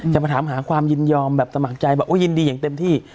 จะมาถามหาความยินยอมแบบสมัครใจบอกโอ้ยินดีอย่างเต็มที่